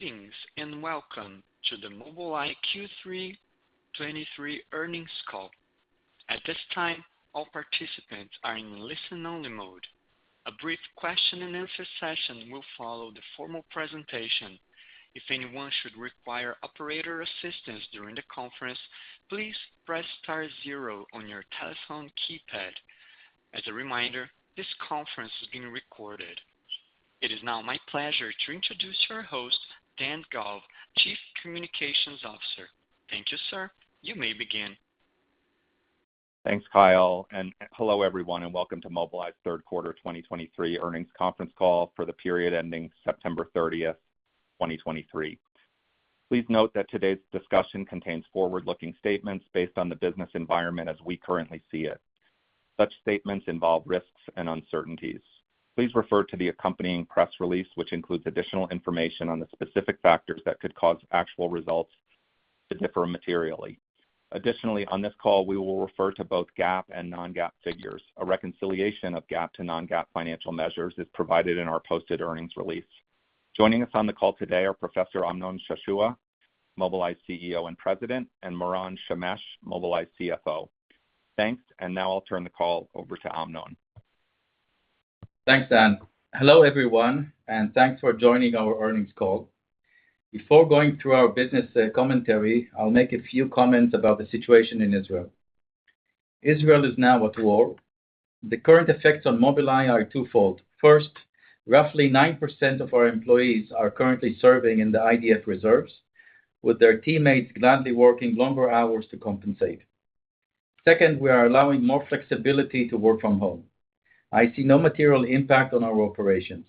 Greetings, and welcome to the Mobileye Q3 2023 Earnings Call. At this time, all participants are in listen-only mode. A brief question-and-answer session will follow the formal presentation. If anyone should require operator assistance during the conference, please press star zero on your telephone keypad. As a reminder, this conference is being recorded. It is now my pleasure to introduce our host, Dan Galves, Chief Communications Officer. Thank you, sir. You may begin. Thanks, Kyle, and hello, everyone, and welcome to Mobileye's Q3 2023 earnings conference call for the period ending September 30, 2023. Please note that today's discussion contains forward-looking statements based on the business environment as we currently see it. Such statements involve risks and uncertainties. Please refer to the accompanying press release, which includes additional information on the specific factors that could cause actual results to differ materially. Additionally, on this call, we will refer to both GAAP and non-GAAP figures. A reconciliation of GAAP to non-GAAP financial measures is provided in our posted earnings release. Joining us on the call today are Professor Amnon Shashua, Mobileye's CEO and President, and Thanks, and now I'll turn the call over to Amnon. Thanks, Dan. Hello, everyone, and thanks for joining our earnings call. Before going through our business commentary, I'll make a few comments about the situation in Israel. Israel is now at war. The current effects on Mobileye are twofold. First, roughly 9% of our employees are currently serving in the IDF reserves, with their teammates gladly working longer hours to compensate. Second, we are allowing more flexibility to work from home. I see no material impact on our operations.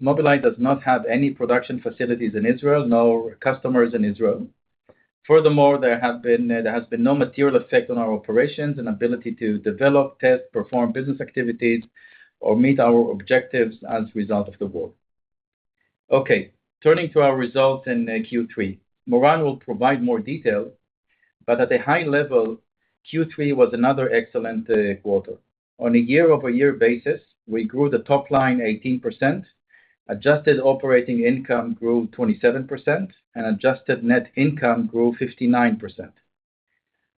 Mobileye does not have any production facilities in Israel, nor customers in Israel. Furthermore, there has been no material effect on our operations and ability to develop, test, perform business activities, or meet our objectives as a result of the war. Okay, turning to our results in Q3. Moran will provide more detail, but at a high level, Q3 was another excellent quarter. On a year-over-year basis, we grew the top line 18%, adjusted operating income grew 27%, and adjusted net income grew 59%.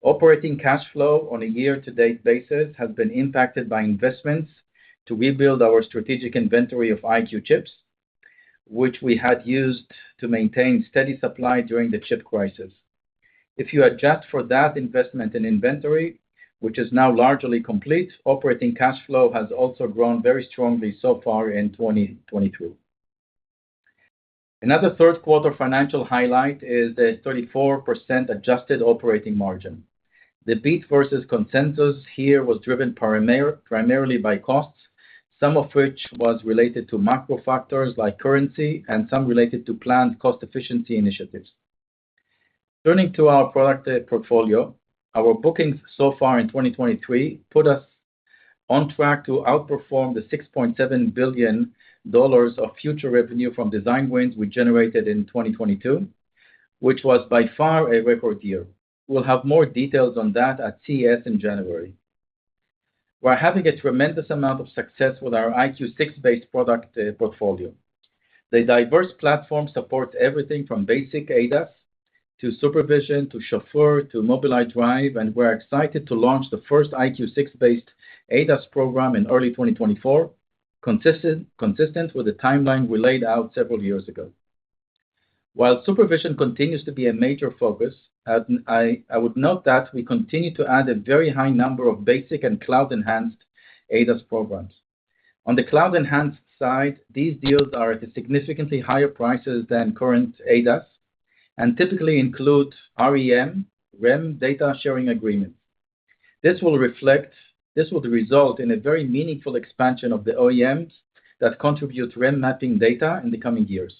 Operating cash flow on a year-to-date basis has been impacted by investments to rebuild our strategic inventory of EyeQ chips, which we had used to maintain steady supply during the chip crisis. If you adjust for that investment in inventory, which is now largely complete, operating cash flow has also grown very strongly so far in 2022. Another Q3 financial highlight is a 34% adjusted operating margin. The beat versus consensus here was driven primarily by costs, some of which was related to macro factors like currency and some related to planned cost efficiency initiatives. Turning to our product portfolio, our bookings so far in 2023 put us on track to outperform the $6.7 billion of future revenue from design wins we generated in 2022, which was by far a record year. We'll have more details on that at CES in January. We're having a tremendous amount of success with our EyeQ6-based product portfolio. The diverse platform supports everything from basic ADAS to Supervision, to Chauffeur, to Mobileye Drive, and we're excited to launch the first EyeQ6-based ADAS program in early 2024, consistent with the timeline we laid out several years ago. While Supervision continues to be a major focus, I would note that we continue to add a very high number of basic and cloud-enhanced ADAS programs. On the cloud-enhanced side, these deals are at significantly higher prices than current ADAS, and typically include REM, REM data sharing agreement. This will reflect—This will result in a very meaningful expansion of the OEMs that contribute REM mapping data in the coming years,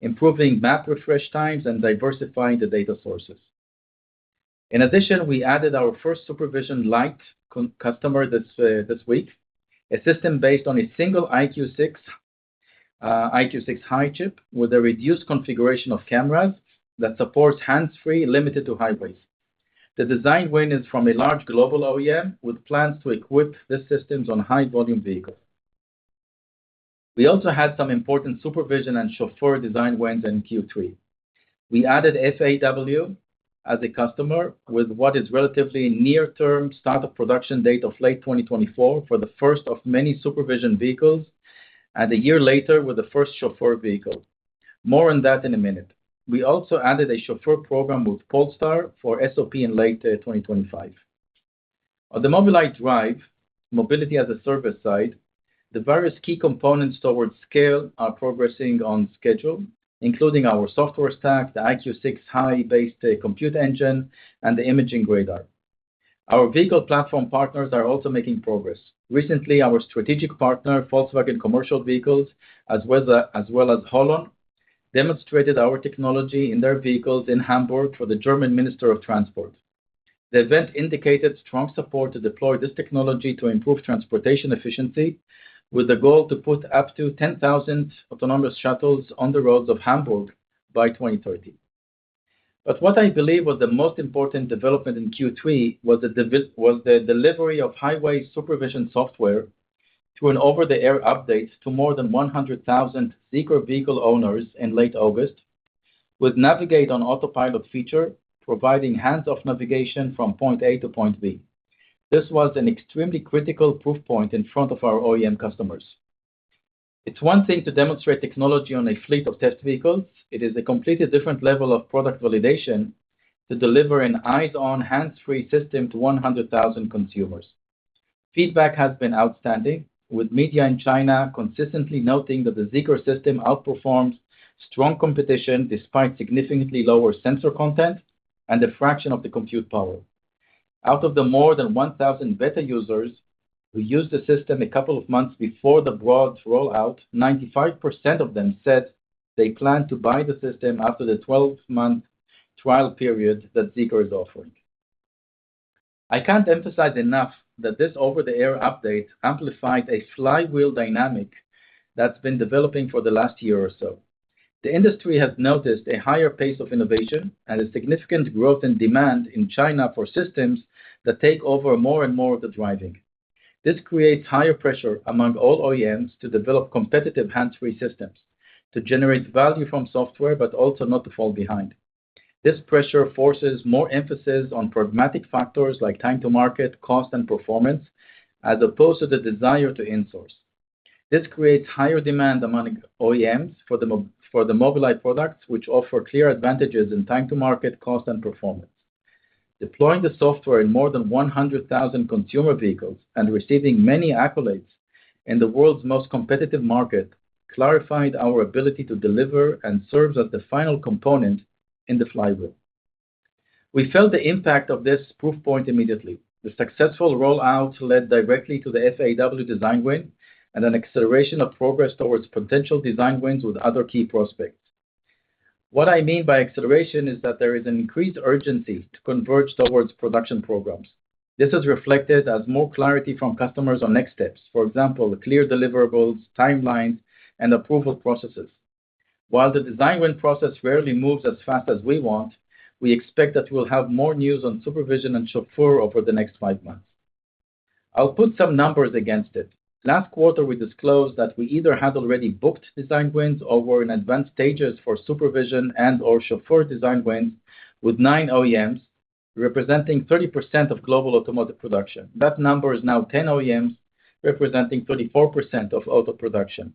improving map refresh times and diversifying the data sources. In addition, we added our first Supervision Light customer this week, a system based on a single EyeQ6, EyeQ6 High chip with a reduced configuration of cameras that supports hands-free, limited to highways. The design win is from a large global OEM with plans to equip these systems on high-volume vehicles. We also had some important Supervision and Chauffeur design wins in Q3. We added FAW as a customer with what is relatively near-term start of production date of late 2024 for the first of many Supervision vehicles, and a year later, with the first Chauffeur vehicle. More on that in a minute. We also added a Chauffeur program with Polestar for SOP in late 2025. On the Mobileye Drive, mobility as a service side, the various key components towards scale are progressing on schedule, including our software stack, the EyeQ6 High-based compute engine, and the imaging radar. Our vehicle platform partners are also making progress. Recently, our strategic partner, Volkswagen Commercial Vehicles, as well as Holon, demonstrated our technology in their vehicles in Hamburg for the German Minister of Transport. The event indicated strong support to deploy this technology to improve transportation efficiency, with the goal to put up to 10,000 autonomous shuttles on the roads of Hamburg by 2030. But what I believe was the most important development in Q3 was the delivery of highway supervision software to an over-the-air update to more than 100,000 Zeekr vehicle owners in late August, with Navigate on Autopilot feature, providing hands-off navigation from point A to point B. This was an extremely critical proof point in front of our OEM customers. It's one thing to demonstrate technology on a fleet of test vehicles, it is a completely different level of product validation to deliver an eyes-on, hands-free system to 100,000 consumers. Feedback has been outstanding, with media in China consistently noting that the Zeekr system outperforms strong competition, despite significantly lower sensor content and a fraction of the compute power. Out of the more than 1,000 beta users who used the system a couple of months before the broad rollout, 95% of them said they plan to buy the system after the 12-month trial period that Zeekr is offering. I can't emphasize enough that this over-the-air update amplified a flywheel dynamic that's been developing for the last year or so. The industry has noticed a higher pace of innovation and a significant growth in demand in China for systems that take over more and more of the driving. This creates higher pressure among all OEMs to develop competitive hands-free systems, to generate value from software, but also not to fall behind. This pressure forces more emphasis on pragmatic factors like time to market, cost, and performance, as opposed to the desire to in-source. This creates higher demand among OEMs for the Mobileye products, which offer clear advantages in time to market, cost, and performance. Deploying the software in more than 100,000 consumer vehicles and receiving many accolades in the world's most competitive market, clarified our ability to deliver and serves as the final component in the flywheel. We felt the impact of this proof point immediately. The successful rollout led directly to the FAW design win and an acceleration of progress towards potential design wins with other key prospects. What I mean by acceleration is that there is an increased urgency to converge towards production programs. This is reflected as more clarity from customers on next steps. For example, the clear deliverables, timelines, and approval processes. While the design win process rarely moves as fast as we want, we expect that we'll have more news on Supervision and Chauffeur over the next five months. I'll put some numbers against it. Last quarter, we disclosed that we either had already booked design wins or were in advanced stages for Supervision and/or Chauffeur design wins with nine OEMs, representing 30% of global automotive production. That number is now ten OEMs, representing 34% of auto production.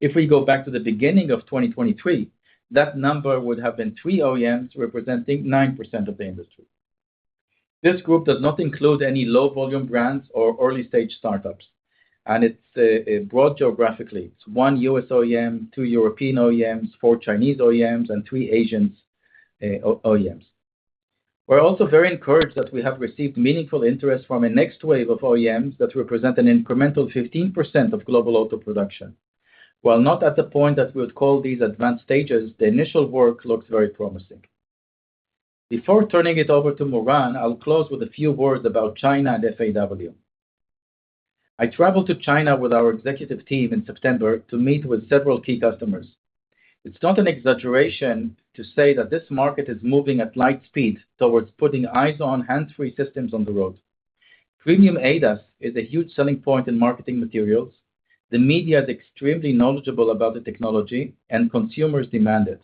If we go back to the beginning of 2023, that number would have been three OEMs, representing 9% of the industry. This group does not include any low-volume brands or early-stage startups, and it's broad geographically. It's one U.S. OEM, two European OEMs, four Chinese OEMs, and three Asian OEMs. We're also very encouraged that we have received meaningful interest from a next wave of OEMs that represent an incremental 15% of global auto production. While not at the point that we would call these advanced stages, the initial work looks very promising. Before turning it over to Moran, I'll close with a few words about China and FAW. I traveled to China with our executive team in September to meet with several key customers. It's not an exaggeration to say that this market is moving at light speed towards putting eyes-on, hands-free systems on the road. Premium ADAS is a huge selling point in marketing materials. The media is extremely knowledgeable about the technology, and consumers demand it.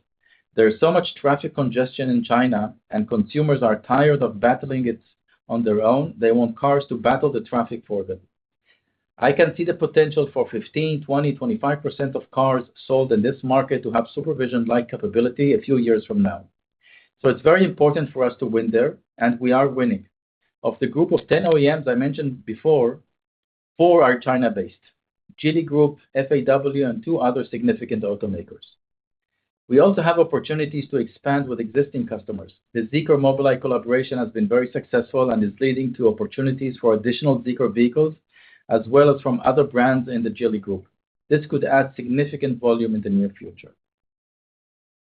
There is so much traffic congestion in China, and consumers are tired of battling it on their own. They want cars to battle the traffic for them. I can see the potential for 15, 20, 25% of cars sold in this market to have Supervision-like capability a few years from now. So it's very important for us to win there, and we are winning. Of the group of 10 OEMs I mentioned before, four are China-based: Geely Group, FAW, and two other significant automakers. We also have opportunities to expand with existing customers. The Zeekr-Mobileye collaboration has been very successful and is leading to opportunities for additional Zeekr vehicles, as well as from other brands in the Geely group. This could add significant volume in the near future.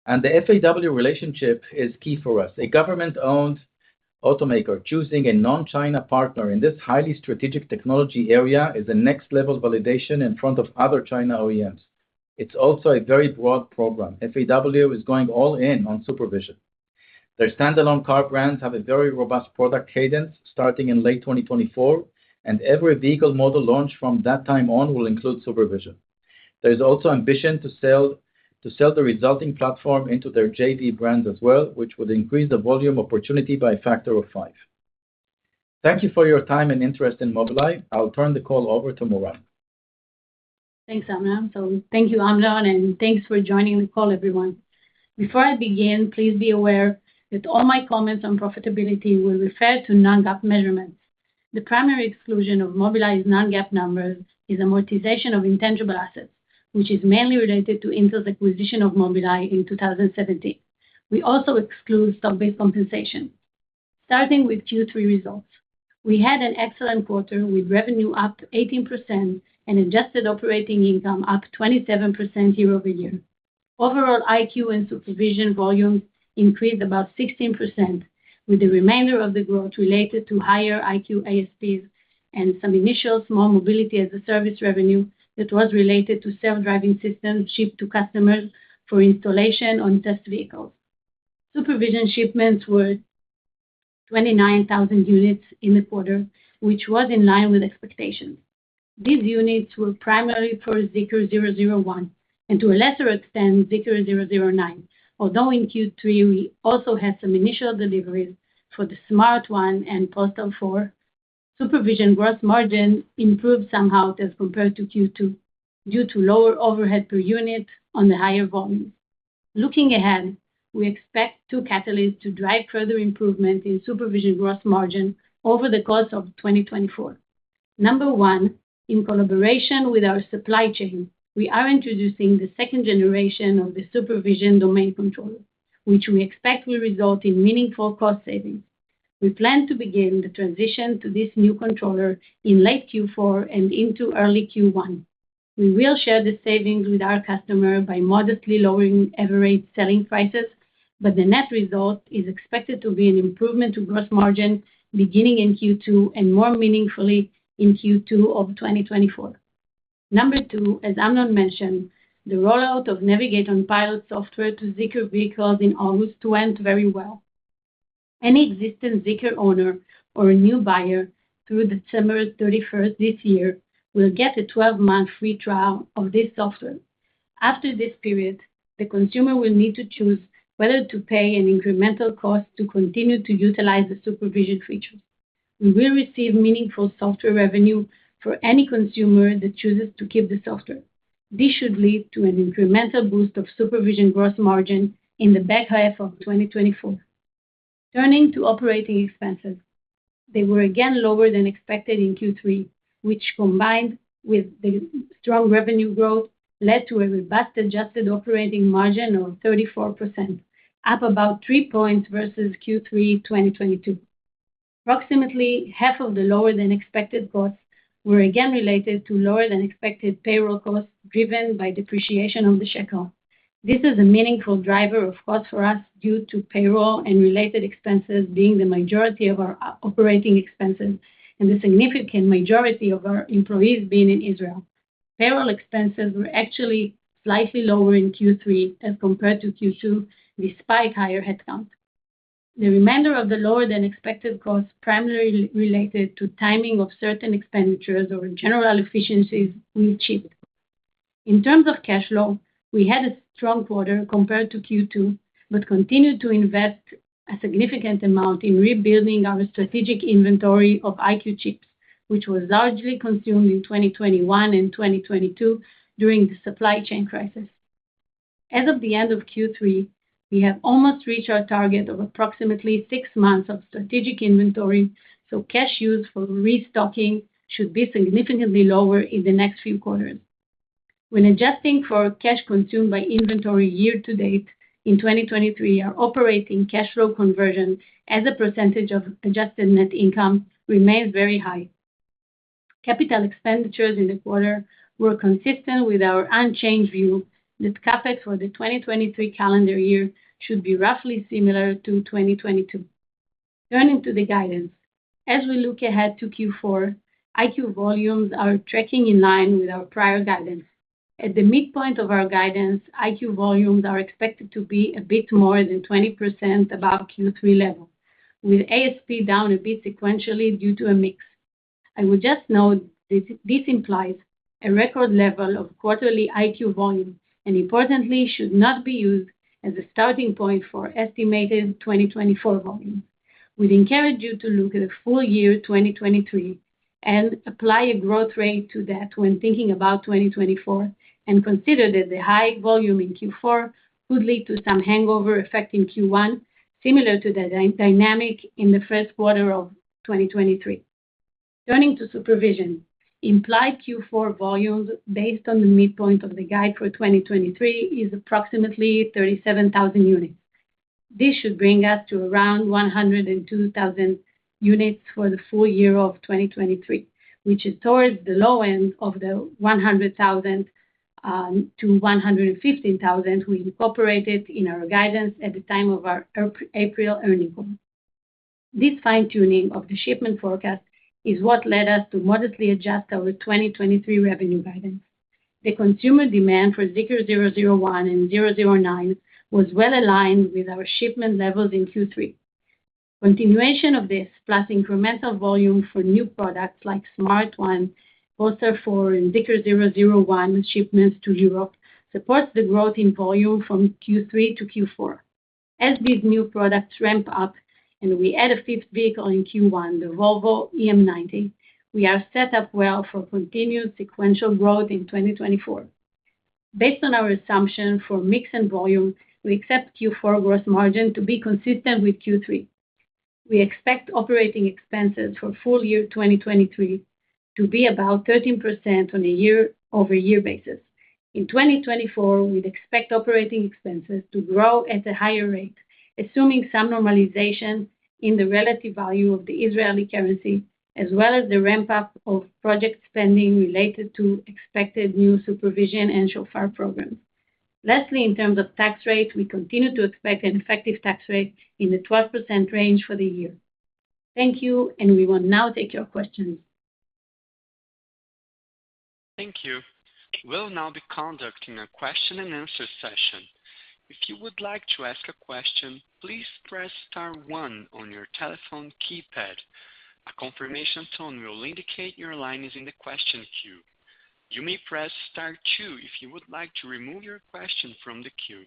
The FAW relationship is key for us. A government-owned automaker choosing a non-China partner in this highly strategic technology area is a next-level validation in front of other China OEMs. It's also a very broad program. FAW is going all in on Supervision. Their standalone car brands have a very robust product cadence, starting in late 2024, and every vehicle model launched from that time on will include Supervision. There is also ambition to sell, to sell the res ulting platform into their JD brands as well, which would increase the volume opportunity by a factor of 5. Thank you for your time and interest in Mobileye. I'll turn the call over to Moran. Thanks, Amnon. So thank you, Amnon, and thanks for joining the call, everyone. Before I begin, please be aware that all my comments on profitability will refer to non-GAAP measurements. The primary exclusion of Mobileye's non-GAAP numbers is amortization of intangible assets, which is mainly related to Intel's acquisition of Mobileye in 2017. We also exclude stock-based compensation. Starting with Q3 results, we had an excellent quarter, with revenue up 18% and adjusted operating income up 27% year-over-year. Overall, Eye Q and Supervision volumes increased about 16%. With the remainder of the growth related to higher Eye Q ASPs and some initial small mobility as a service revenue that was related to self-driving systems shipped to customers for installation on test vehicles. Supervision shipments were 29,000 units in the quarter, which was in line with expectations. These units were primarily for Zeekr 001, and to a lesser extent, Zeekr 009. Although in Q3, we also had some initial deliveries for the smart #1 and Polestar 4. Supervision gross margin improved somehow as compared to Q2, due to lower overhead per unit on the higher volume. Looking ahead, we expect two catalysts to drive further improvement in Supervision gross margin over the course of 2024. Number one, in collaboration with our supply chain, we are introducing the second generation of the Supervision domain controller, which we expect will result in meaningful cost savings. We plan to begin the transition to this new controller in late Q4 and into early Q1. We will share the savings with our customer by modestly lowering average selling prices, but the net result is expected to be an improvement to gross margin, beginning in Q2, and more meaningfully in Q2 of 2024. Number two, as Amnon mentioned, the rollout of Navigate on Pilot software to Zeekr vehicles in August went very well. Any existing Zeekr owner or a new buyer through December thirty-first this year, will get a 12-month free trial of this software. After this period, the consumer will need to choose whether to pay an incremental cost to continue to utilize the Supervision features. We will receive meaningful software revenue for any consumer that chooses to keep the software. This should lead to an incremental boost of Supervision gross margin in the back half of 2024. Turning to operating expenses, they were again lower than expected in Q3, which combined with the strong revenue growth, led to a robust adjusted operating margin of 34%, up about 3 points versus Q3 2022. Approximately half of the lower than expected costs were again related to lower than expected payroll costs, driven by depreciation on the shekel. This is a meaningful driver of costs for us, due to payroll and related expenses being the majority of our operating expenses, and the significant majority of our employees being in Israel. Payroll expenses were actually slightly lower in Q3 as compared to Q2, despite higher headcount. The remainder of the lower than expected costs primarily related to timing of certain expenditures or general efficiencies we achieved. In terms of cash flow, we had a strong quarter compared to Q2, but continued to invest a significant amount in rebuilding our strategic inventory of Eye Q chips, which was largely consumed in 2021 and 2022 during the supply chain crisis. As of the end of Q3, we have almost reached our target of approximately six months of strategic inventory, so cash use for restocking should be significantly lower in the next few quarters. When adjusting for cash consumed by inventory year to date in 2023, our operating cash flow conversion as a percentage of adjusted net income remains very high. Capital expenditures in the quarter were consistent with our unchanged view, that Cap Ex for the 2023 calendar year should be roughly similar to 2022. Turning to the guidance. As we look ahead to Q4, Eye Q volumes are tracking in line with our prior guidance. At the midpoint of our guidance, EyeQ volumes are expected to be a bit more than 20% above Q3 level, with ASP down a bit sequentially due to a mix. I would just note that this implies a record level of quarterly EyeQ volume, and importantly, should not be used as a starting point for estimated 2024 volume. We'd encourage you to look at the full year 2023, and apply a growth rate to that when thinking about 2024, and consider that the high volume in Q4 could lead to some hangover effect in Q1, similar to the dynamic in the Q1 of 2023. Turning to Supervision. Implied Q4 volumes based on the midpoint of the guide for 2023 is approximately 37,000 units. This should bring us to around 102,000 units for the full year of 2023, which is towards the low end of the 100,000-115,000 we incorporated in our guidance at the time of our April earnings call. This fine-tuning of the shipment forecast is what led us to modestly adjust our 2023 revenue guidance. The consumer demand for Zeekr 001 and 009 was well aligned with our shipment levels in Q3. Continuation of this, plus incremental volume for new products like smart #1, Polestar 4, and Zeekr 001 shipments to Europe, supports the growth in volume from Q3 to Q4. As these new products ramp up and we add a fifth vehicle in Q1, the Volvo EM90, we are set up well for continued sequential growth in 2024. Based on our assumption for mix and volume, we expect Q4 growth margin to be consistent with Q3. We expect operating expenses for full year 2023 to be about 13% on a year-over-year basis. In 2024, we'd expect operating expenses to grow at a higher rate, assuming some normalization in the relative value of the Israeli currency, as well as the ramp-up of project spending related to expected new Supervision and Chauffeur programs. ...Lastly, in terms of tax rate, we continue to expect an effective tax rate in the 12% range for the year. Thank you, and we will now take your questions. Thank you. We'll now be conducting a question and answer session. If you would like to ask a question, please press star 1 on your telephone keypad. A confirmation tone will indicate your line is in the question queue. You may press star 2 if you would like to remove your question from the queue.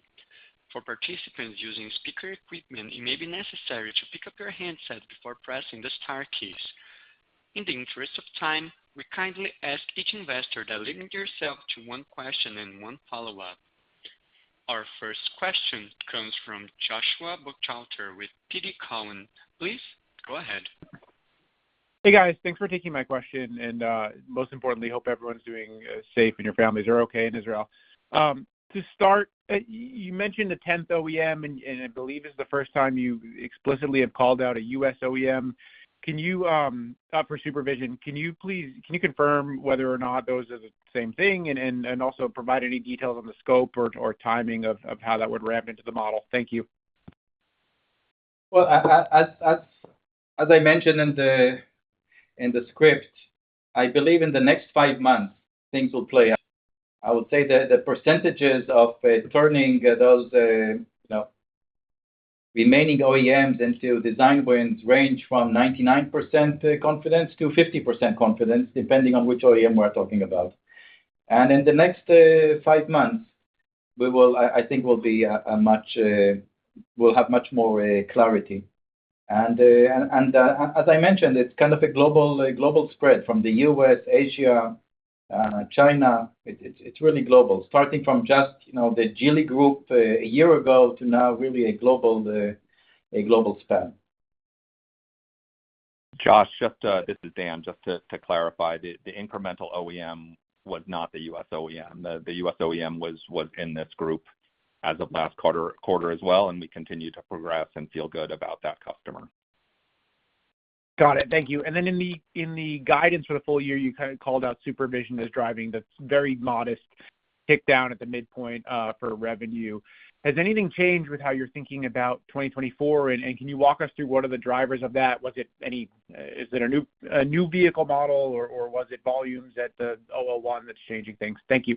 For participants using speaker equipment, it may be necessary to pick up your handset before pressing the star keys. In the interest of time, we kindly ask each investor to limit yourself to one question and one follow-up. Our first question comes from Joshua Buchalter with TD Cowen. Please go ahead. Hey, guys. Thanks for taking my question, and most importantly, hope everyone's doing safe and your families are okay in Israel. To start, you mentioned the tenth OEM, and I believe it's the first time you explicitly have called out a U.S. OEM. Can you for Supervision please confirm whether or not those are the same thing, and also provide any details on the scope or timing of how that would ramp into the model? Thank you. Well, as I mentioned in the, in the script, I believe in the next five months things will play out. I would say that the percentages of turning those, you know, remaining OEMs into design wins range from 99% confidence to 50% confidence, depending on which OEM we're talking about. And in the next five months, we will, I think we'll be a much-- we'll have much more clarity. And as I mentioned, it's kind of a global, a global spread from the U.S., Asia, China. It, it's really global, starting from just, you know, the Geely group a year ago to now really a global, a global span. Josh, just, this is Dan. Just to clarify, the incremental OEM was not the US OEM. The US OEM was in this group as of last quarter as well, and we continue to progress and feel good about that customer. Got it. Thank you. And then in the, in the guidance for the full year, you kind of called out Supervision as driving the very modest tick down at the midpoint, for revenue. Has anything changed with how you're thinking about 2024? And, and can you walk us through what are the drivers of that? Was it any, is it a new, a new vehicle model, or, or was it volumes at the 001 that's changing things? Thank you.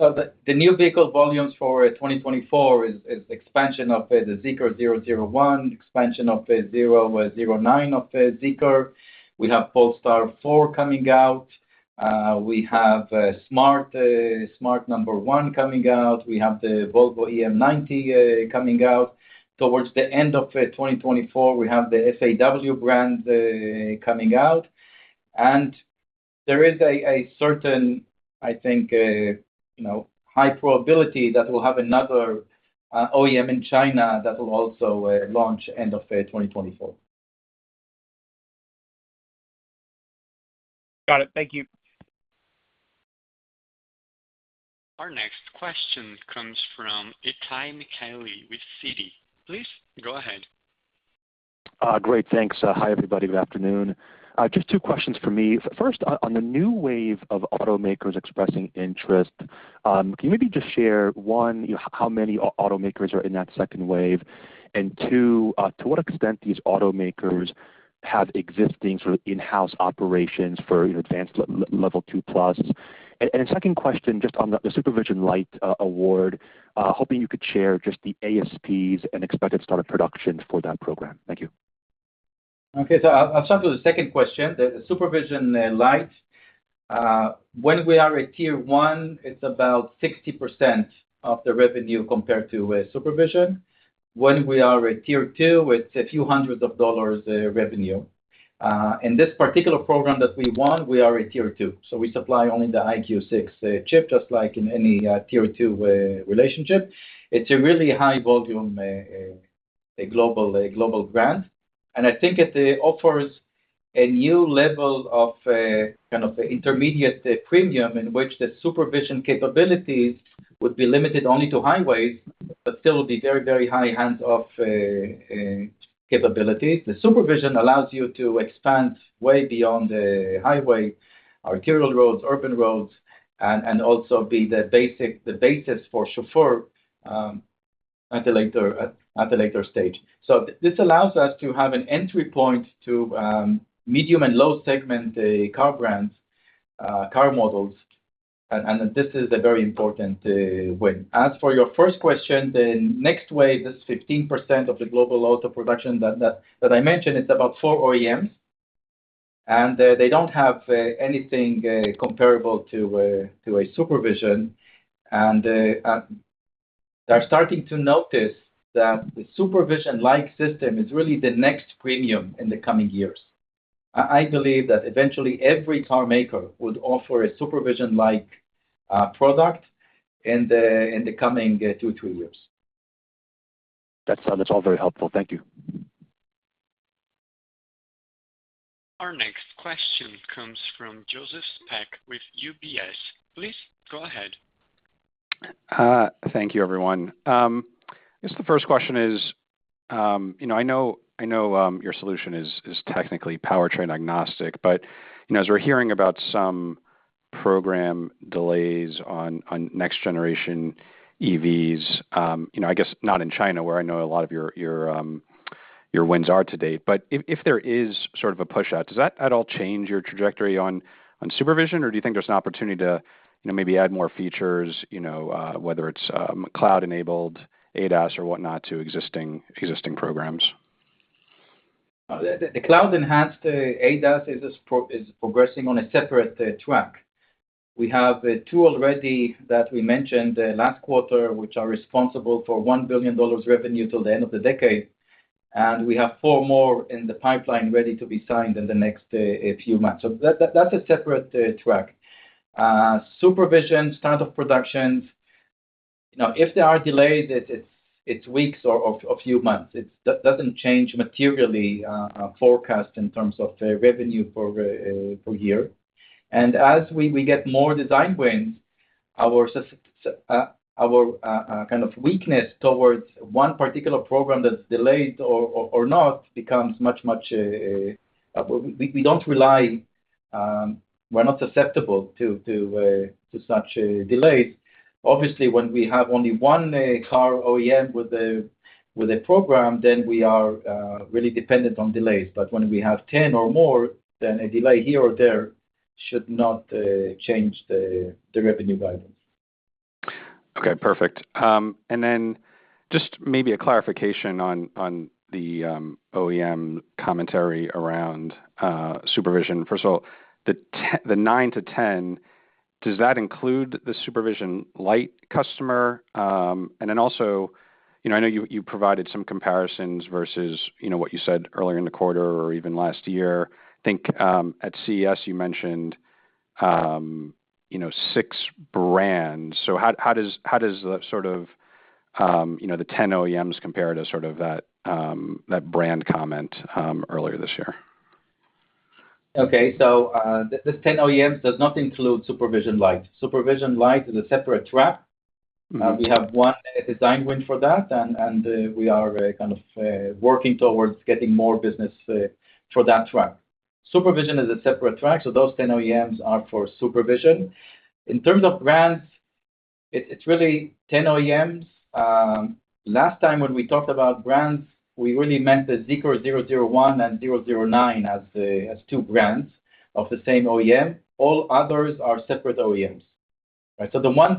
So the new vehicle volumes for 2024 is expansion of the Zeekr 001, expansion of the 009 of the Zeekr. We have Polestar 4 coming out. We have smart #1 coming out. We have the Volvo EM90 coming out. Towards the end of 2024, we have the FAW brand coming out, and there is a certain, I think, you know, high probability that we'll have another OEM in China that will also launch end of 2024. Got it. Thank you. Our next question comes from Itai Michaeli with Citi. Please go ahead. Great. Thanks. Hi, everybody. Good afternoon. Just two questions for me. First, on the new wave of automakers expressing interest, can you maybe just share, one, you know, how many automakers are in that second wave? And two, to what extent these automakers have existing sort of in-house operations for advanced level two plus. And a second question, just on the Supervision Light award, hoping you could share just the ASPs and expected start of production for that program. Thank you. Okay, so I'll, I'll start with the second question. The Supervision Light, when we are at Tier 1, it's about 60% of the revenue compared to Supervision. When we are at Tier 2, it's a few hundred dollars of revenue. In this particular program that we won, we are at Tier 2, so we supply only the EyeQ6 chip, just like in any Tier 2 relationship. It's a really high volume, a global brand, and I think it offers a new level of kind of intermediate premium in which the Supervision capabilities would be limited only to highways, but still be very, very high hands-off capabilities. The Supervision allows you to expand way beyond the highway, arterial roads, urban roads, and also be the basis for Chauffeur at a later stage. So this allows us to have an entry point to medium and low segment car brands, car models, and this is a very important win. As for your first question, the next wave, this 15% of the global auto production that I mentioned, it's about 4 OEMs, and they don't have anything comparable to a Supervision. And they're starting to notice that the Supervision Light system is really the next premium in the coming years. I believe that eventually every carmaker would offer a Supervision Light product in the coming 2 years. That's, that's all very helpful. Thank you. Our next question comes from Joseph Spak with UBS. Please go ahead. Thank you, everyone. I guess the first question is... You know, I know, I know, your solution is, is technically powertrain agnostic, but, you know, as we're hearing about some program delays on, on next generation EVs, you know, I guess not in China, where I know a lot of your, your, your wins are to date. But if, if there is sort of a push-out, does that at all change your trajectory on, on Supervision? Or do you think there's an opportunity to, you know, maybe add more features, you know, whether it's, cloud-enabled ADAS or whatnot, to existing, existing programs? The cloud-enhanced ADAS is progressing on a separate track. We have 2 already that we mentioned last quarter, which are responsible for $1 billion revenue till the end of the decade, and we have 4 more in the pipeline ready to be signed in the next a few months. So that, that's a separate track. Supervision start of productions, you know, if they are delayed, it's weeks or a few months. It doesn't change materially forecast in terms of the revenue for the year. And as we get more design wins, our susceptibility towards one particular program that's delayed or not becomes much, much. We don't rely, we're not susceptible to such delays. Obviously, when we have only one car OEM with a program, then we are really dependent on delays. But when we have 10 or more, then a delay here or there should not change the revenue guidance. Okay, perfect. And then just maybe a clarification on the OEM commentary around Supervision. First of all, the 9-10, does that include the Supervision Lite customer? And then also, you know, I know you provided some comparisons versus, you know, what you said earlier in the quarter or even last year. I think, at CES you mentioned, you know, 6 brands. So how does that sort of, you know, the 10 OEMs compare to sort of that brand comment earlier this year? Okay. So, this 10 OEMs does not include Supervision Light. Supervision Light is a separate track. Mm-hmm. We have one design win for that, and we are kind of working towards getting more business for that track. Supervision is a separate track, so those 10 OEMs are for Supervision. In terms of brands, it's really 10 OEMs. Last time when we talked about brands, we really meant the Zeekr 001 and 009 as two brands of the same OEM. All others are separate OEMs, right? So the ones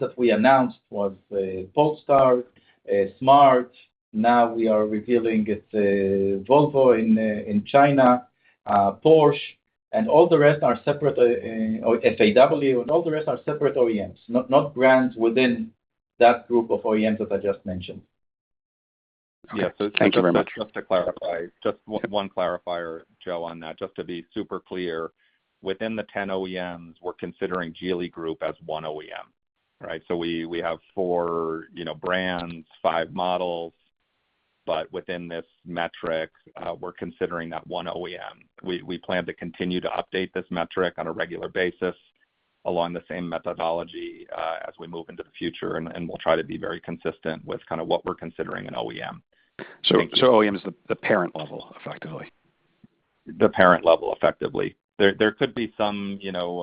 that we announced was Polestar, Smart, now we are revealing it's Volvo in China, Porsche, and all the rest are separate, FAW, and all the rest are separate OEMs, not brands within that group of OEMs that I just mentioned. Yeah. Thank you very much. Just to clarify, just one clarifier, Joe, on that, just to be super clear. Within the 10 OEMs, we're considering Geely Group as one OEM, right? So we have 4, you know, brands, 5 models, but within this metric, we're considering that one OEM. We plan to continue to update this metric on a regular basis along the same methodology, as we move into the future, and we'll try to be very consistent with kind of what we're considering an OEM. OEM is the parent level, effectively? The parent level, effectively. There could be some, you know,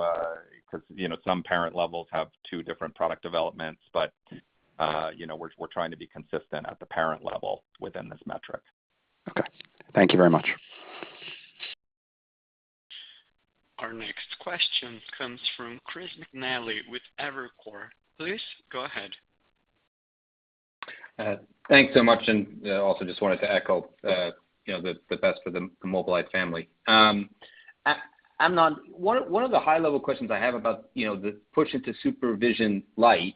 'cause, you know, some parent levels have two different product developments, but, you know, we're, we're trying to be consistent at the parent level within this metric. Okay. Thank you very much. Our next question comes from Chris McNally with Evercore. Please go ahead. Thanks so much, and also just wanted to echo, you know, the best for the Mobileye family. Amnon, one of the high level questions I have about, you know, the push into Supervision Light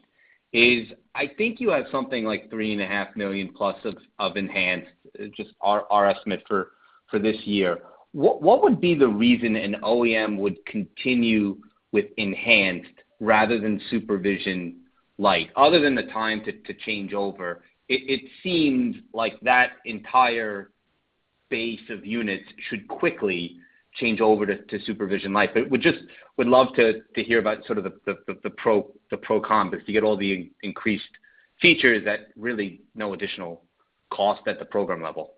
is, I think you have something like 3.5 million plus of enhanced, just our estimate for this year. What would be the reason an OEM would continue with enhanced rather than Supervision Light? Other than the time to change over, it seems like that entire base of units should quickly change over to Supervision Light. But we just would love to hear about sort of the pros and cons, because you get all the increased features at really no additional cost at the program level.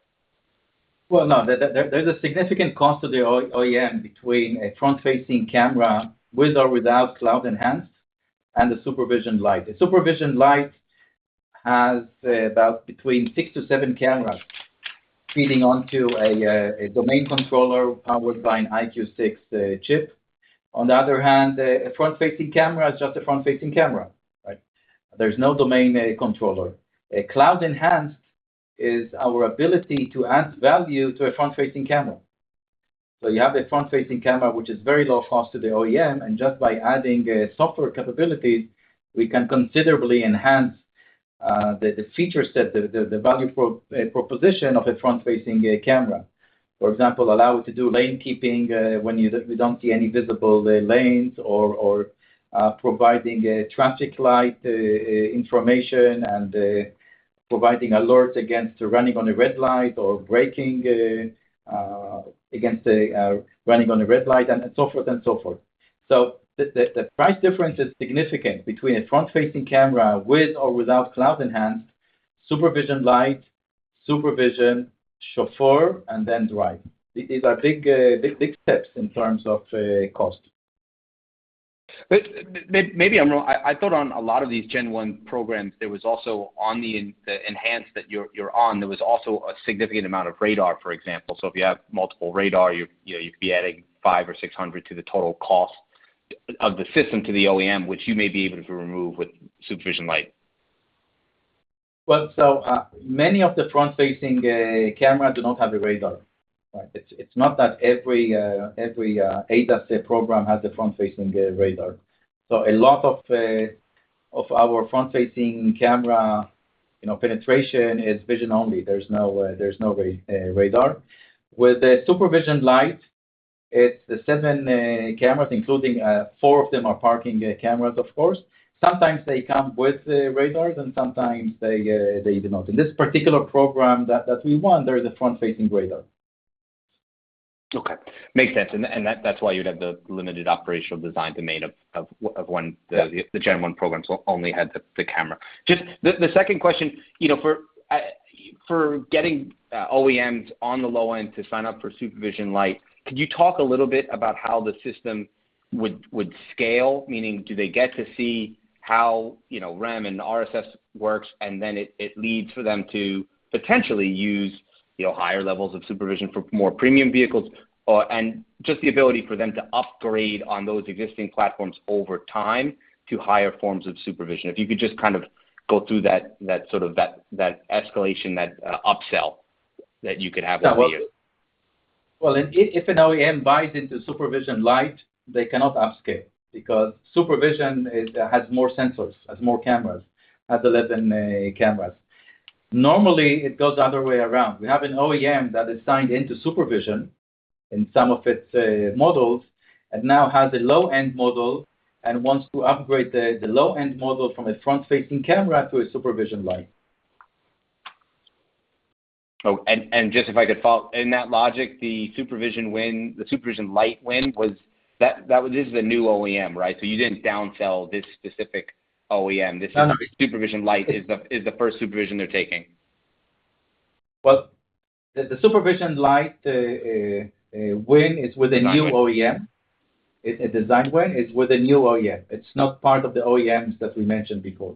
Well, no, there, there's a significant cost to the OEM between a front-facing camera, with or without cloud-enhanced, and the Supervision Light. The Supervision Light has about 6-7 cameras feeding onto a domain controller powered by an EyeQ6 chip. On the other hand, a front-facing camera is just a front-facing camera, right? There's no domain controller. Cloud-enhanced is our ability to add value to a front-facing camera. So you have a front-facing camera, which is very low cost to the OEM, and just by adding software capabilities, we can considerably enhance the value proposition of a front-facing camera. For example, allow it to do lane keeping when you don't see any visible lanes or providing a traffic light information and providing alerts against running on a red light or braking against running on a red light and so forth and so forth. So the price difference is significant between a front-facing camera with or without cloud enhanced, Supervision Light, Supervision, Chauffeur, and then Drive. These are big steps in terms of cost. But maybe I'm wrong. I thought on a lot of these Gen One programs, there was also on the enhanced that you're on, there was also a significant amount of radar, for example. So if you have multiple radar, you know, you'd be adding $500-$600 to the total cost of the system to the OEM, which you may be able to remove with Supervision Light. Well, so, many of the front-facing camera do not have the radar, right? It's, it's not that every, every ADAS program has the front-facing radar. So a lot of our front-facing camera, you know, penetration is vision only. There's no, there's no radar. With the Supervision Light, it's the seven cameras, including four of them are parking cameras, of course. Sometimes they come with the radars, and sometimes they, they do not. In this particular program that, that we won, there is a front-facing radar. Okay. Makes sense. And that's why you'd have the limited Operational Design Domain of one, the- Yeah... the Gen One programs only had the camera. Just the second question, you know, for getting OEMs on the low end to sign up for Supervision Light, could you talk a little bit about how the system would scale? Meaning, do they get to see how, you know, REM and RSS works, and then it leads for them to potentially use, you know, higher levels of Supervision for more premium vehicles, or and just the ability for them to upgrade on those existing platforms over time to higher forms of Supervision. If you could just kind of go through that sort of escalation, that upsell that you could have with you. Well, if an OEM buys into Supervision Light, they cannot upscale because Supervision is, has more sensors, has more cameras, has less than cameras. Normally, it goes the other way around. We have an OEM that is signed into Supervision in some of its models, and now has a low-end model and wants to upgrade the low-end model from a front-facing camera to a Supervision Light. Oh, and just if I could follow, in that logic, the Supervision win, the Supervision Light win was that, that was this is a new OEM, right? So you didn't downsell this specific OEM. Uh-huh. This Supervision Light is the first Supervision they're taking. Well, the Supervision Light win is with a new OEM. Design. A design win is with a new OEM. It's not part of the OEMs that we mentioned before.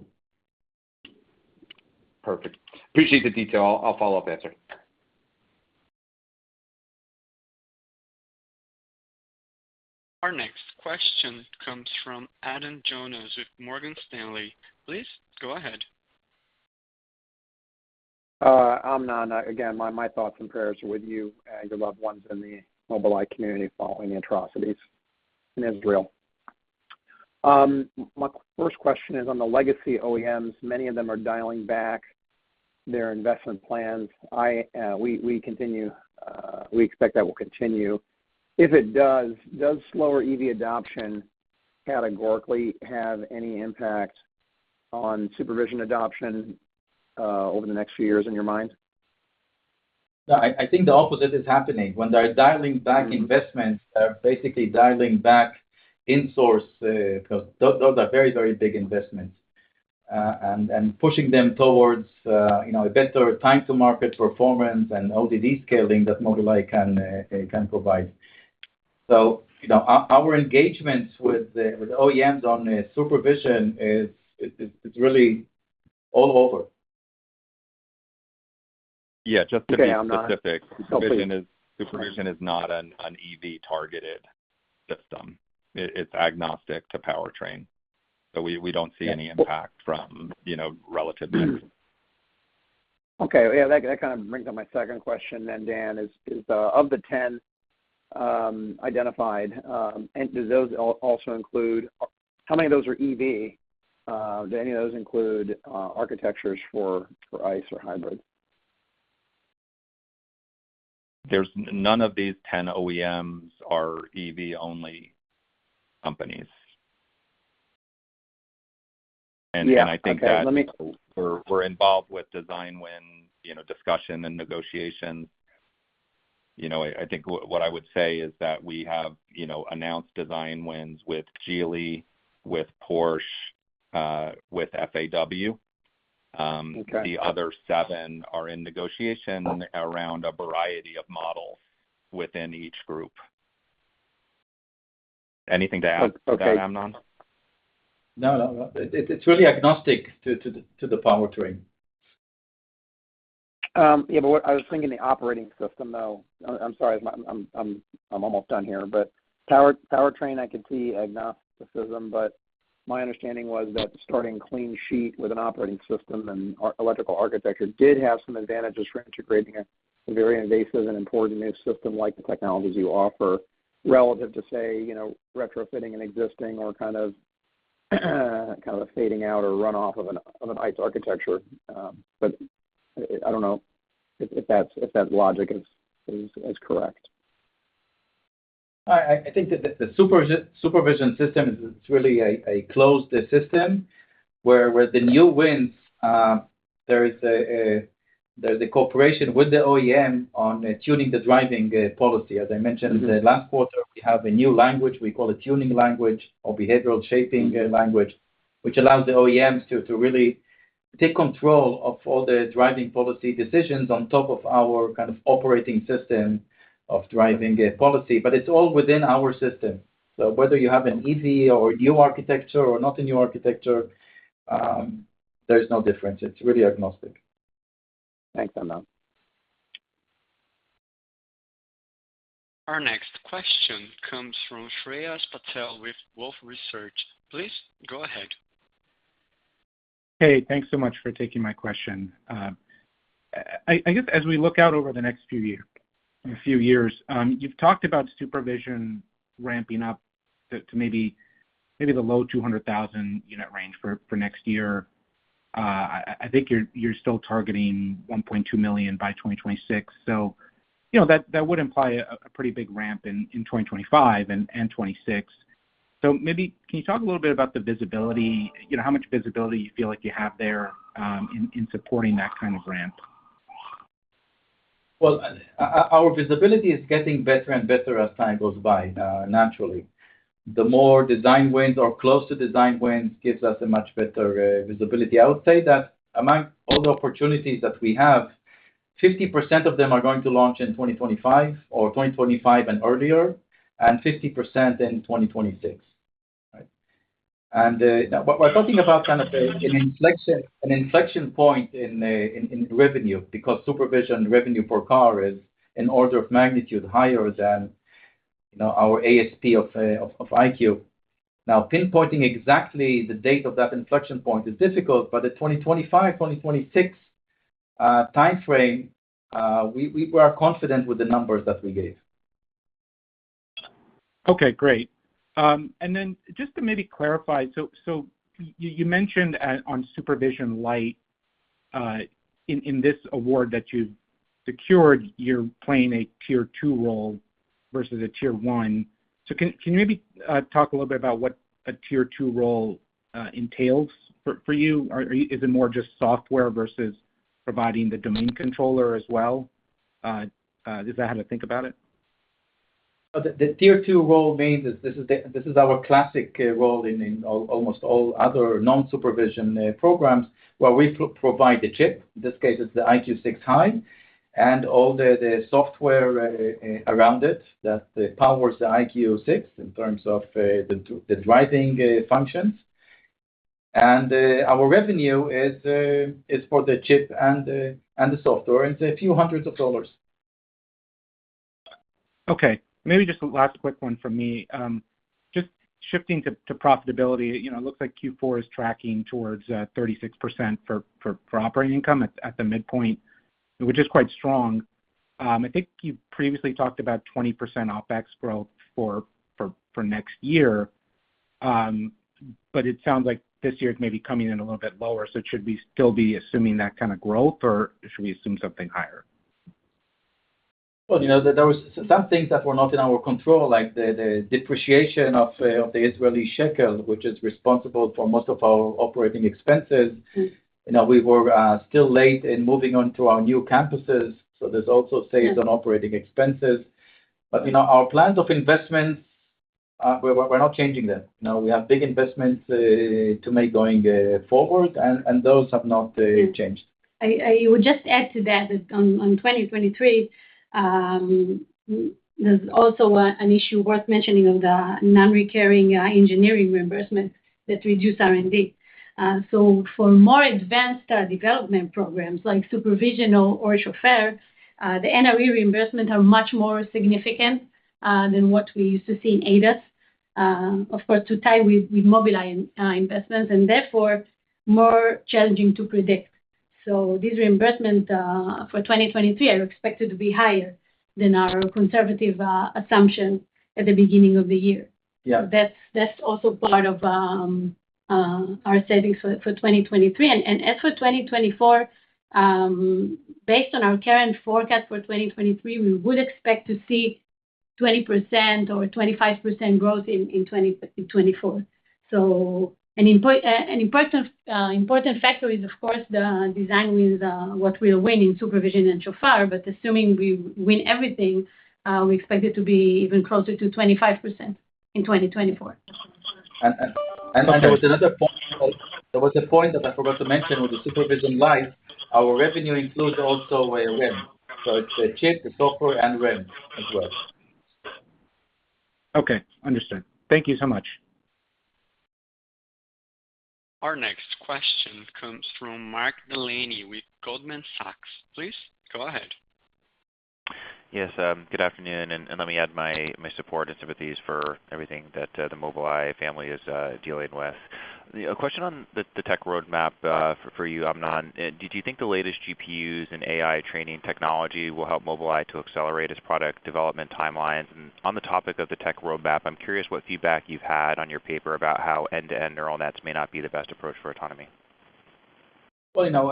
Perfect. Appreciate the detail. I'll follow up after. Our next question comes from Adam Jonas with Morgan Stanley. Please go ahead. Amnon, again, my thoughts and prayers are with you and your loved ones in the Mobileye community following the atrocities in Israel. My first question is on the legacy OEMs. Many of them are dialing back their investment plans. We continue to expect that will continue. If it does, does slower EV adoption categorically have any impact on Supervision adoption over the next few years in your mind? No, I think the opposite is happening. When they're dialing back investments- Mm-hmm... they're basically dialing back in-source, because those are very, very big investments, and pushing them towards, you know, a better time to market performance and ODD scaling that Mobileye can provide. So, you know, our engagements with the OEMs on Supervision is. It's really all over. Yeah, just to be specific- Okay, Amnon. Oh, please.... Supervision is not an EV-targeted system. It's agnostic to powertrain, so we don't see any impact from, you know, relative to EV. Okay. Yeah, that kind of brings up my second question then, Dan, is of the 10 identified, and do those also include how many of those are EV? Do any of those include architectures for ICE or hybrid? There's none of these 10 OEMs are EV-only companies. Yeah, okay. I think that we're involved with design win, you know, discussion and negotiation. You know, I think what I would say is that we have, you know, announced design wins with Geely, with Porsche, with FAW. Okay. The other seven are in negotiation around a variety of models within each group. Anything to add? Okay... to that, Amnon? No, no, no. It's really agnostic to the powertrain. Yeah, but what I was thinking the operating system, though. I'm sorry, I'm almost done here, but power, powertrain, I could see agnosticism, but my understanding was that starting clean sheet with an operating system and our electrical architecture did have some advantages for integrating a very invasive and important new system like the technologies you offer, relative to, say, you know, retrofitting an existing or kind of a fading out or runoff of an ICE architecture. But I don't know if that's if that logic is correct. I think that the Super version system is really a closed system, where the new wins, there is a—There's a cooperation with the OEM on tuning the driving policy. As I mentioned, the last quarter, we have a new language, we call it tuning language or behavioral shaping language, which allows the OEMs to really take control of all the driving policy decisions on top of our kind of operating system of driving a policy. But it's all within our system. So whether you have an Eye Q or new architecture or not a new architecture, there's no difference. It's really agnostic. Thanks, Amnon. Our next question comes from Shreyas Patil with Wolfe Research. Please, go ahead. Hey, thanks so much for taking my question. I guess as we look out over the next few years, you've talked about Supervision ramping up to maybe the low 200,000 unit range for next year. I think you're still targeting 1.2 million by 2026. So you know, that would imply a pretty big ramp in 2025 and 2026. So maybe can you talk a little bit about the visibility, you know, how much visibility you feel like you have there, in supporting that kind of ramp? Well, our visibility is getting better and better as time goes by. Naturally, the more design wins or close to design wins gives us a much better visibility. I would say that among all the opportunities that we have, 50% of them are going to launch in 2025 or 2025 and earlier, and 50% in 2026, right? And, now we're talking about kind of an inflection point in revenue, because Supervision revenue per car is an order of magnitude higher than, you know, our ASP of EyeQ. Now, pinpointing exactly the date of that inflection point is difficult, but the 2025, 2026 time frame, we were confident with the numbers that we gave. Okay, great. And then just to maybe clarify, so, so you, you mentioned on Supervision Light, in, in this award that you've secured, you're playing a Tier 2 role versus a Tier 1. So can, can you maybe talk a little bit about what a Tier 2 role entails for, for you? Or is it more just software versus providing the domain controller as well? Is that how to think about it? The Tier 2 role means this is our classic role in almost all other non-Supervision programs, where we provide the chip. In this case, it's the EyeQ6 High and all the software around it that powers the EyeQ6 in terms of the driving functions. And our revenue is for the chip and the software, and it's a few hundred dollars. Okay, maybe just a last quick one from me. Just shifting to profitability, you know, it looks like Q4 is tracking towards 36% for operating income at the midpoint, which is quite strong. I think you previously talked about 20% OpEx growth for next year. But it sounds like this year is maybe coming in a little bit lower. So should we still be assuming that kind of growth, or should we assume something higher? Well, you know, there was some things that were not in our control, like the depreciation of the Israeli shekel, which is responsible for most of our operating expenses. You know, we were still late in moving on to our new campuses, so there's also saves on operating expenses. But, you know, our plans of investments, we're not changing them. You know, we have big investments to make going forward, and those have not changed. I would just add to that, that on 2023, there's also an issue worth mentioning of the non-recurring engineering reimbursement that reduced R&D. So for more advanced development programs like Supervision or Chauffeur, the NRE reimbursement are much more significant than what we used to see in ADAS. Of course, to tie with Mobileye investments, and therefore more challenging to predict. So these reimbursements for 2023 are expected to be higher than our conservative assumption at the beginning of the year. Yeah. That's also part of our savings for 2023. And as for 2024, based on our current forecast for 2023, we would expect to see 20% or 25% growth in 2024. So an important factor is, of course, the design wins, what we'll win in Supervision and Chauffeur, but assuming we win everything, we expect it to be even closer to 25% in 2024. There was another point. There was a point that I forgot to mention with the Supervision Light. Our revenue includes also REM. So it's the chip, the software, and REM as well. Okay, understood. Thank you so much. Our next question comes from Mark Delaney with Goldman Sachs. Please, go ahead. Yes, good afternoon, and let me add my support and sympathies for everything that the Mobileye family is dealing with. A question on the tech roadmap for you, Amnon. Do you think the latest GPUs in AI training technology will help Mobileye to accelerate its product development timelines? And on the topic of the tech roadmap, I'm curious what feedback you've had on your paper about how end-to-end neural nets may not be the best approach for autonomy. Well, you know,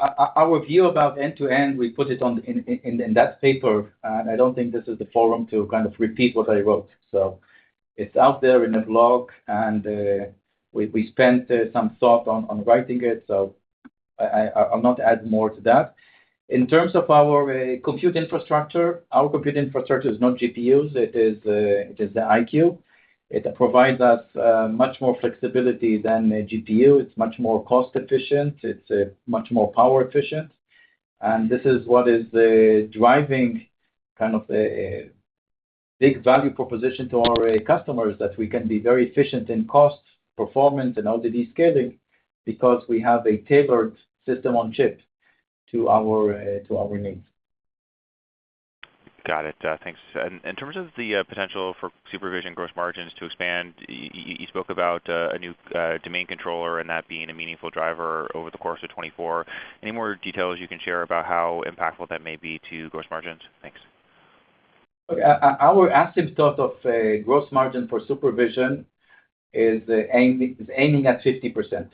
our view about end-to-end, we put it on in that paper, and I don't think this is the forum to kind of repeat what I wrote. So it's out there in the blog, and we spent some thought on writing it, so I'll not add more to that. In terms of our compute infrastructure, our compute infrastructure is not GPUs. It is the Eye Q. It provides us much more flexibility than a GPU. It's much more cost efficient, it's much more power efficient, and this is what is driving kind of the big value proposition to our customers, that we can be very efficient in cost, performance, and ODD scaling because we have a tailored system on chip to our needs. Got it. Thanks. And in terms of the potential for Supervision gross margins to expand, you spoke about a new domain controller and that being a meaningful driver over the course of 2024. Any more details you can share about how impactful that may be to gross margins? Thanks. Our aspirational target of gross margin for Supervision is aiming at 50%.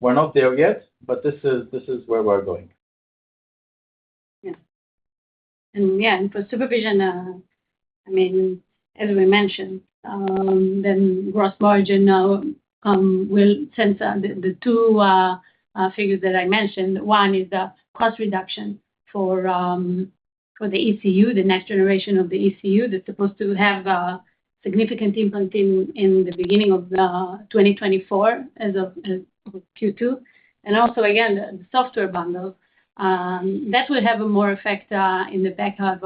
We're not there yet, but this is where we're going. Yeah. And for Supervision, I mean, as we mentioned, then gross margin now will tend to the two figures that I mentioned. One is the cost reduction for the ECU, the next generation of the ECU, that's supposed to have a significant impact in the beginning of 2024, as of Q2. And also, again, the software bundle that will have a more effect in the back half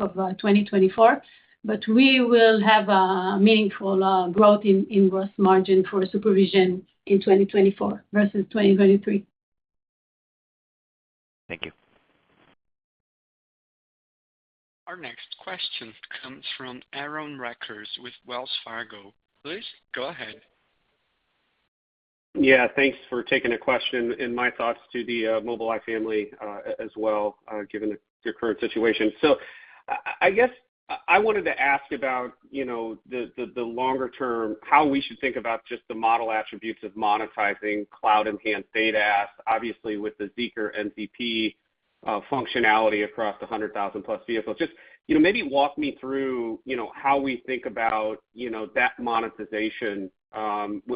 of 2024. But we will have a meaningful growth in gross margin for Supervision in 2024 versus 2023. Thank you. Our next question comes from Aaron Rakers with Wells Fargo. Please, go ahead. Yeah, thanks for taking the question, and my thoughts to the Mobileye family as well, given your current situation. So I guess I wanted to ask about, you know, the longer term, how we should think about just the model attributes of monetizing cloud-enhanced data, obviously, with the Zeekr NCP functionality across the 100,000+ vehicles. Just, you know, maybe walk me through, you know, how we think about, you know, that monetization,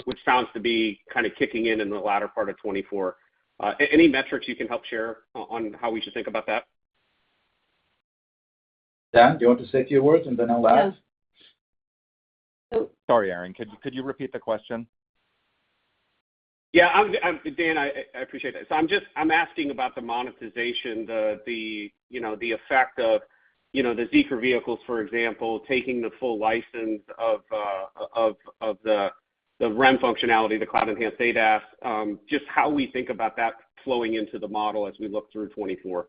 which sounds to be kind of kicking in, in the latter part of 2024. Any metrics you can help share on how we should think about that? Dan, do you want to say a few words, and then I'll last? Yeah. So- Sorry, Aaron, could you repeat the question? Yeah, Dan, I appreciate that. So I'm just asking about the monetization, the, you know, the effect of, you know, the Zeekr vehicles, for example, taking the full license of the REM functionality, the Cloud-enhanced ADAS, just how we think about that flowing into the model as we look through 2024.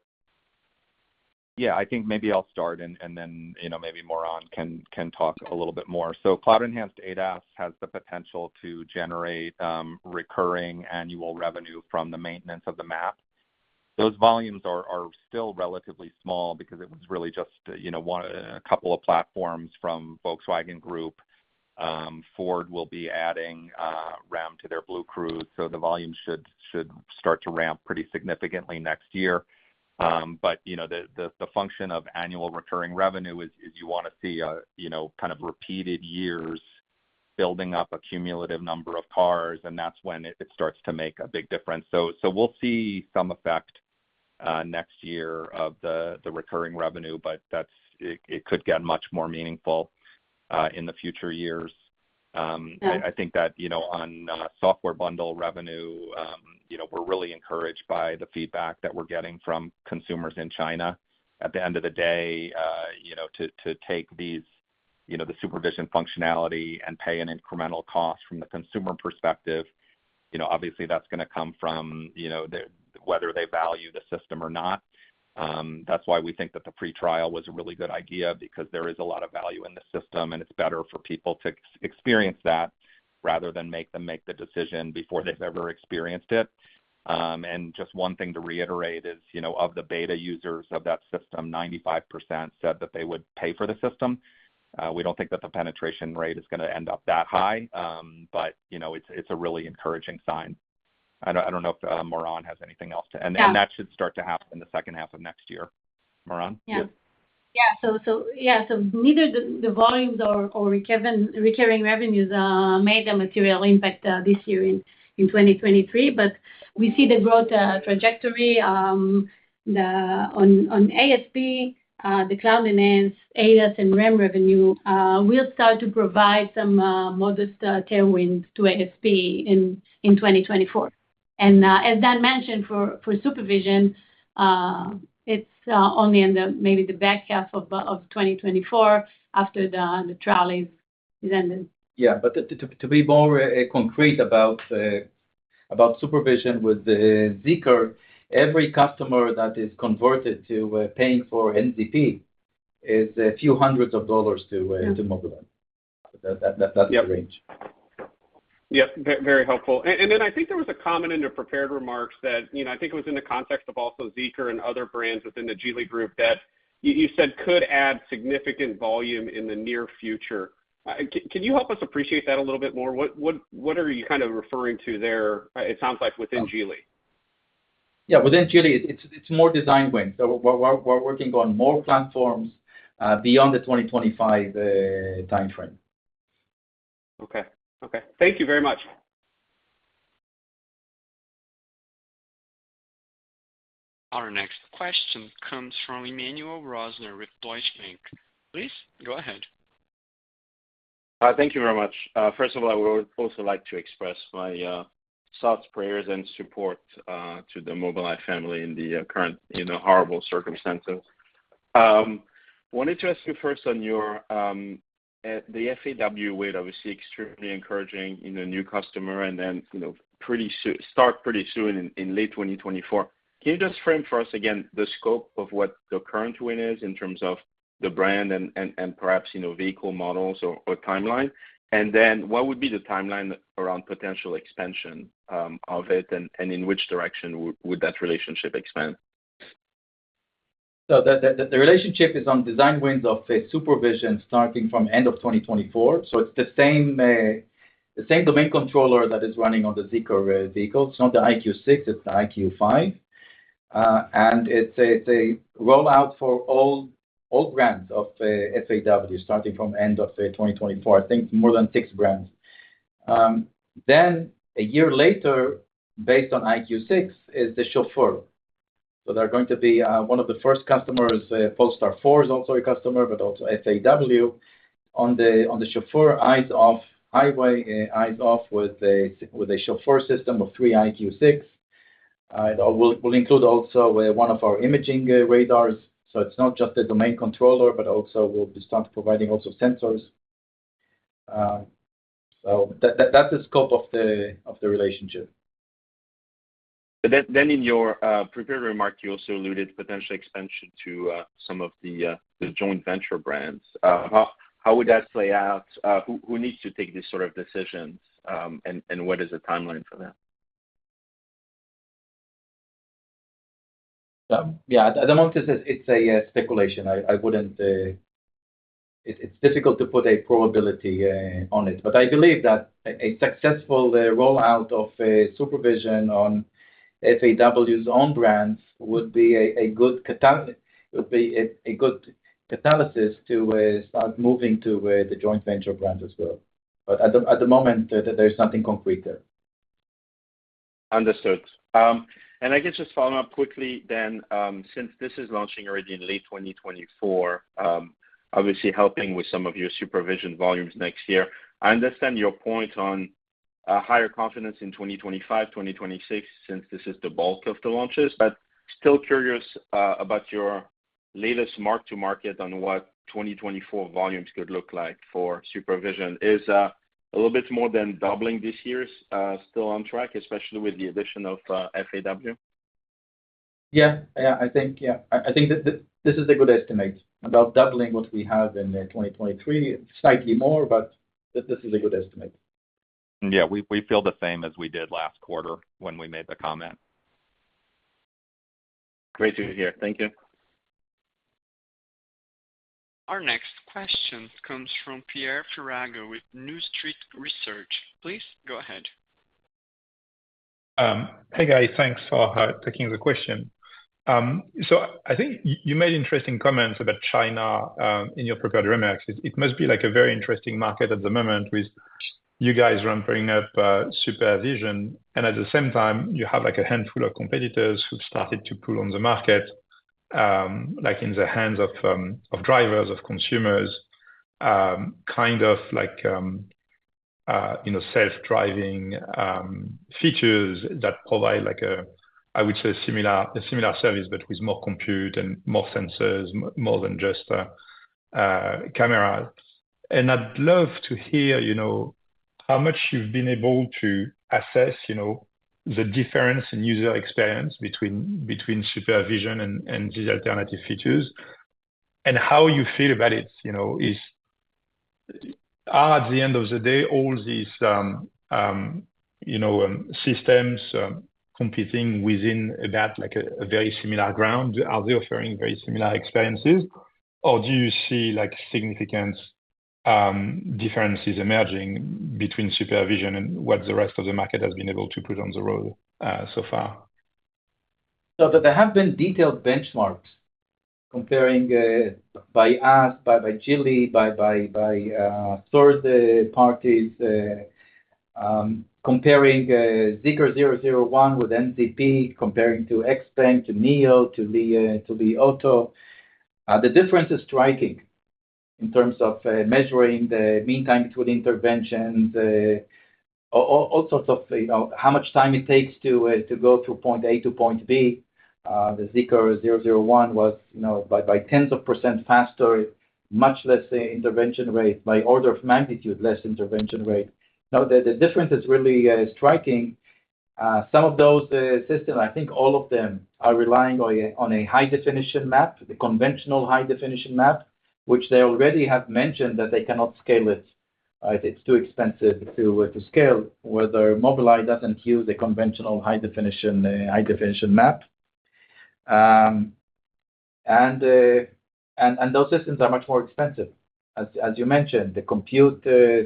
Yeah, I think maybe I'll start and then, you know, maybe Moran can talk a little bit more. So cloud-enhanced ADAS has the potential to generate recurring annual revenue from the maintenance of the map. Those volumes are still relatively small because it was really just, you know, one, a couple of platforms from Volkswagen Group. Ford will be adding REM to their BlueCruise, so the volume should start to ramp pretty significantly next year. But, you know, the function of annual recurring revenue is you wanna see a, you know, kind of repeated years building up a cumulative number of cars, and that's when it starts to make a big difference. So we'll see some effect next year of the recurring revenue, but that's it. It could get much more meaningful in the future years. Yeah... I think that, you know, on a software bundle revenue, you know, we're really encouraged by the feedback that we're getting from consumers in China. At the end of the day, you know, to take these, you know, the Supervision functionality and pay an incremental cost from the consumer perspective, you know, obviously, that's gonna come from, you know, the whether they value the system or not. That's why we think that the free trial was a really good idea, because there is a lot of value in the system, and it's better for people to experience that, rather than make them the decision before they've ever experienced it. And just one thing to reiterate is, you know, of the beta users of that system, 95% said that they would pay for the system. We don't think that the penetration rate is gonna end up that high, but, you know, it's a really encouraging sign. I don't know if Moran has anything else to- Yeah. And that should start to happen in the H2 of next year. Moran? Yeah. Yeah. Yeah, so neither the volumes or recurring revenues made a material impact this year in 2023, but we see the growth trajectory on ASP, the cloud-enhanced ADAS and REM revenue will start to provide some modest tailwinds to ASP in 2024. And as Dan mentioned, for Supervision, it's only in maybe the back half of 2024, after the trial is ended. Yeah, but to be more concrete about Supervision with the Zeekr, every customer that is converted to paying for NOP is a few hundred dollars to- Yeah ... to Mobileye. That, that's the range. Yep, very helpful. And then I think there was a comment in your prepared remarks that, you know, I think it was in the context of also Zeekr and other brands within the Geely group, that you said could add significant volume in the near future. Can you help us appreciate that a little bit more? What are you kind of referring to there? It sounds like within Geely?... Yeah, but then Geely, it's more design wins. So we're working on more platforms beyond the 2025 timeframe. Okay. Okay, thank you very much. Our next question comes from Emmanuel Rosner with Deutsche Bank. Please go ahead. Thank you very much. First of all, I would also like to express my thoughts, prayers, and support to the Mobileye family in the current, you know, horrible circumstances. Wanted to ask you first on your at the FAW win, obviously extremely encouraging in the new customer and then, you know, pretty soon—start pretty soon in late 2024. Can you just frame for us again the scope of what the current win is in terms of the brand and, and, and perhaps, you know, vehicle models or, or, timeline? And then what would be the timeline around potential expansion of it, and, and in which direction would that relationship expand? So the relationship is on design wins of, say, Supervision, starting from end of 2024. So it's the same domain controller that is running on the Zeekr vehicles. It's not the EyeQ6, it's the EyeQ5. And it's a rollout for all brands of FAW, starting from end of 2024. I think more than six brands. Then a year later, based on EyeQ6, is the Chauffeur. So they're going to be one of the first customers. Polestar 4 is also a customer, but also FAW on the Chauffeur eyes-off highway eyes-off, with a Chauffeur system of three EyeQ6. It will include also one of our imaging radars. So it's not just the domain controller, but also we'll be start providing also sensors. So that, that's the scope of the relationship. But then in your prepared remark, you also alluded to potential expansion to some of the joint venture brands. How would that play out? Who needs to take these sort of decisions, and what is the timeline for that? Yeah, at the moment, it's a speculation. I wouldn't... It's difficult to put a probability on it, but I believe that a successful rollout of Supervision on FAW's own brands would be a good catalyst to start moving to the joint venture brands as well. But at the moment, there's nothing concrete there. Understood. And I guess just following up quickly then, since this is launching already in late 2024, obviously helping with some of your Supervision volumes next year. I understand your point on higher confidence in 2025, 2026, since this is the bulk of the launches, but still curious about your latest mark to market on what 2024 volumes could look like for Supervision. Is a little bit more than doubling this year's still on track, especially with the addition of FAW? Yeah. Yeah, I think, yeah. I think that this is a good estimate about doubling what we have in 2023. Slightly more, but this is a good estimate. Yeah, we feel the same as we did last quarter when we made the comment. Great to hear. Thank you. Our next question comes from Pierre Ferragu with New Street Research. Please go ahead. Hey, guys. Thanks for taking the question. So I think you made interesting comments about China in your prepared remarks. It must be like a very interesting market at the moment with you guys ramping up Supervision, and at the same time, you have, like, a handful of competitors who've started to pull on the market, like in the hands of drivers and consumers, kind of like, you know, self-driving features that provide like a, I would say, similar service, but with more compute and more sensors, more than just cameras. And I'd love to hear, you know, how much you've been able to assess, you know, the difference in user experience between Supervision and these alternative features, and how you feel about it. You know, is at the end of the day, all these, you know, systems, competing within that, like a very similar ground, are they offering very similar experiences, or do you see like significant differences emerging between Supervision and what the rest of the market has been able to put on the road, so far? There have been detailed benchmarks comparing by us, by third parties, comparing Zeekr 001 with NZP, comparing to Xpeng, to NIO, to Li Auto. The difference is striking in terms of measuring the mean time to an intervention, all sorts of, you know, how much time it takes to go through point A to point B. The Zeekr 001 was, you know, by tens of percent faster, much less intervention rate, by order of magnitude, less intervention rate. Now, the difference is really striking. Some of those systems, I think all of them are relying on a high-definition map, the conventional high-definition map, which they already have mentioned that they cannot scale it. It's too expensive to scale. While Mobileye doesn't use the conventional high-definition map. And those systems are much more expensive. As you mentioned, the compute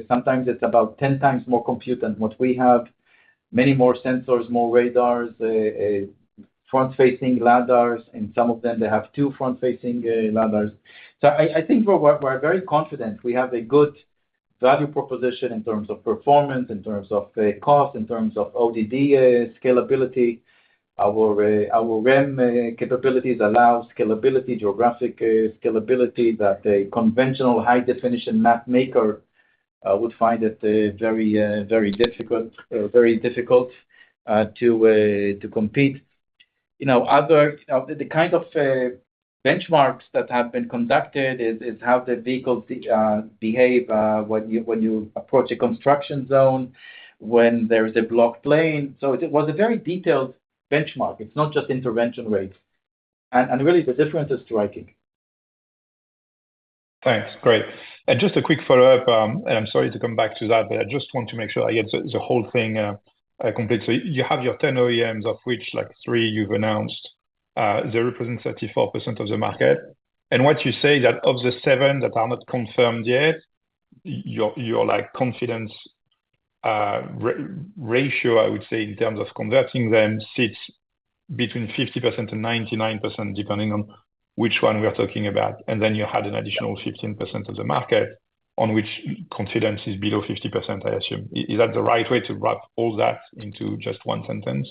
sometimes it's about 10 times more compute than what we have, many more sensors, more radars, front-facing lidars, and some of them they have two front-facing lidars. So I think we're very confident we have a good value proposition in terms of performance, in terms of the cost, in terms of ODD, scalability. Our REM capabilities allow scalability, geographic scalability, that a conventional high-definition map maker would find it very difficult to compete. You know, the kind of benchmarks that have been conducted is how the vehicles behave when you approach a construction zone, when there is a blocked lane. So it was a very detailed benchmark. It's not just intervention rates, and really the difference is striking. Thanks. Great. And just a quick follow-up, and I'm sorry to come back to that, but I just want to make sure I get the whole thing complete. So you have your 10 OEMs, of which like three you've announced. They represent 34% of the market, and what you say that of the seven that are not confirmed yet, your like confidence ratio, I would say, in terms of converting them, sits between 50% and 99%, depending on which one we are talking about. And then you had an additional 15% of the market on which confidence is below 50%, I assume. Is that the right way to wrap all that into just one sentence?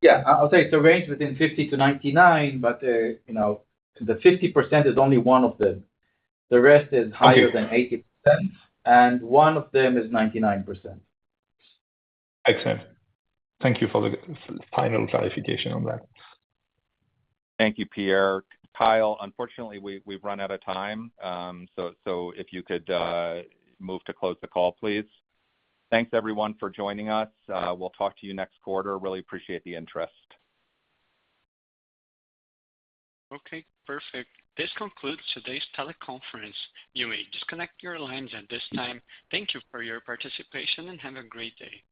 Yeah. I'll say it's a range within 50-99, but, you know, the 50% is only one of them. The rest is higher than 80%, and one of them is 99%. Excellent. Thank you for the final clarification on that. Thank you, Pierre. Kyle, unfortunately, we've run out of time, so if you could move to close the call, please. Thanks, everyone, for joining us. We'll talk to you next quarter. Really appreciate the interest. Okay, perfect. This concludes today's teleconference. You may disconnect your lines at this time. Thank you for your participation, and have a great day.